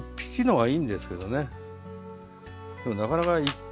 はい。